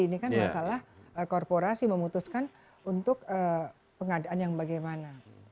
ini kan masalah korporasi memutuskan untuk pengadaan yang bagaimana